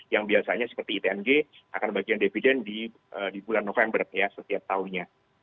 yang biasanya seperti itng akan bagian dividen di bulan november ya setiap tahunnya